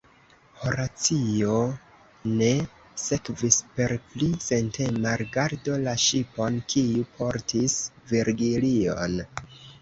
Horacio ne sekvis per pli sentema rigardo la ŝipon, kiu portis Virgilion.